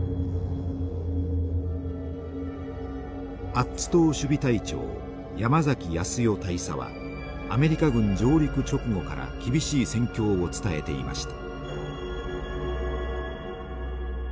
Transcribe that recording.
アッツ島守備隊長山崎保代大佐はアメリカ軍上陸直後から厳しい戦況を伝えていました。